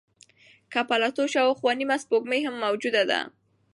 د پلوټو شاوخوا نیمه سپوږمۍ هم موجوده ده.